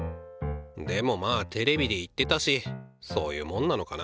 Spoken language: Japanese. でもまあテレビで言ってたしそういうもんなのかな